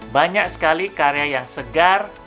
banyak sekali karya yang segar